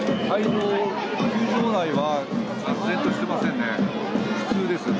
球場内は雑然としていますね。